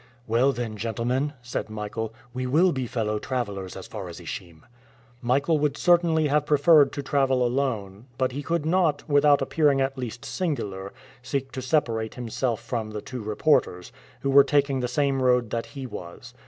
"Well then, gentlemen," said Michael, "we will be fellow travelers as far as Ishim." Michael would certainly have preferred to travel alone, but he could not, without appearing at least singular, seek to separate himself from the two reporters, who were taking the same road that he was.